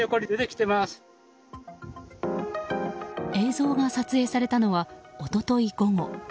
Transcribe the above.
映像が撮影されたのは一昨日午後。